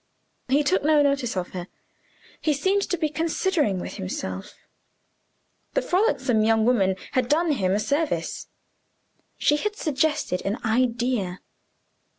He took no notice of her he seemed to be considering with himself. The frolicsome young woman had done him a service: she had suggested an idea.